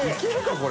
これ。